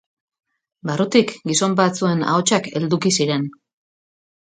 Barrutik gizon batzuen ahotsak helduki ziren.